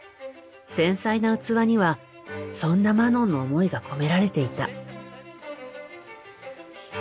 繊細な器にはそんなマノンの思いが込められていた。